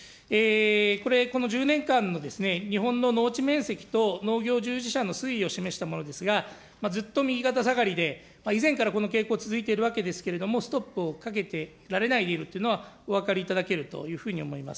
これ、この１０年間の日本の農地面積と、農業従事者の推移を示したものですが、ずっと右肩下がりで、以前からこの傾向、続いているわけですけれども、ストップをかけられないでいるということは、お分かりいただけるというふうに思います。